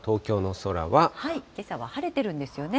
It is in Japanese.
けさは晴れてるんですよね。